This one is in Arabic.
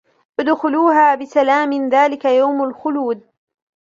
ادْخُلُوهَا بِسَلَامٍ ذَلِكَ يَوْمُ الْخُلُودِ